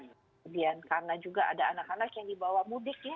kemudian karena juga ada anak anak yang dibawa mudik ya